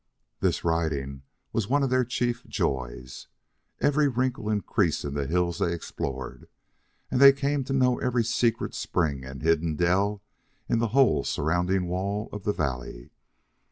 This riding was one of their chief joys. Every wrinkle and crease in the hills they explored, and they came to know every secret spring and hidden dell in the whole surrounding wall of the valley.